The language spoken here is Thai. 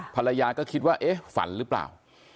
ภรรยาก็คิดว่าเอ๊ะฝันหรือเปล่า